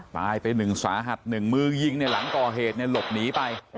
ตายไปหนึ่งสาหัสหนึ่งมือยิงเนี่ยหลังก่อเหตุเนี่ยหลบหนีไป